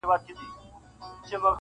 کۀ تاته ياد سي پۀ خبرو بۀ مو شپه وهله,